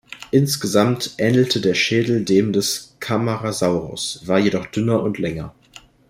Insgesamt ähnelte der Schädel dem des "Camarasaurus", war jedoch dünner und länger.